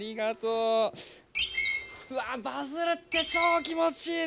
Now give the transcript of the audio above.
うわバズるって超気持ちいい！